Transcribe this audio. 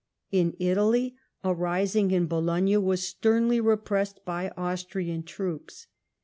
In Italy, a rising in Bologna was sternly repressed by Austrian troops.